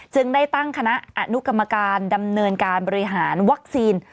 จึงได้ตั้งคณะอนุกรรมการดำเนินการบริหารวัคซีน